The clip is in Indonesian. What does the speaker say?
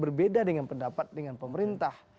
berbeda dengan pendapat dengan pemerintah